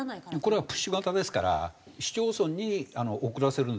これはプッシュ型ですから市町村に送らせるんですよ